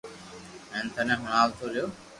ھون ٿني ھڻاوتو رھيو